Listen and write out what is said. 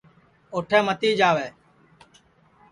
اُوٹھے متی جاوے